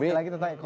itu lebih baik